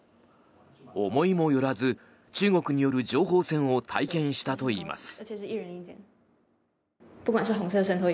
思いもよらず中国による情報戦を体験したといいます。